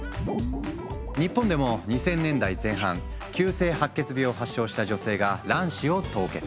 日本でも２０００年代前半急性白血病を発症した女性が卵子を凍結。